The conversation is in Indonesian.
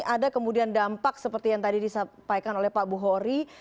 ada kemudian dampak seperti yang tadi disampaikan oleh pak buhori